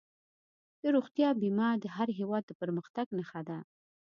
د روغتیا بیمه د هر هېواد د پرمختګ نښه ده.